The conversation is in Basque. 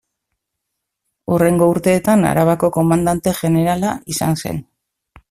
Hurrengo urteetan Arabako komandante jenerala izan zen.